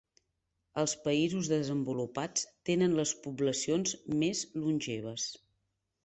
Els països desenvolupats tenen les poblacions més longeves.